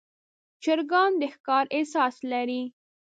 چرګان د ښکار احساس لري.